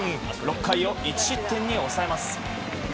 ６回を１失点に抑えます。